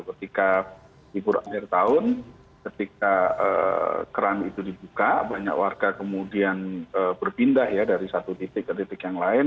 ketika hiburan akhir tahun ketika keran itu dibuka banyak warga kemudian berpindah ya dari satu titik ke titik yang lain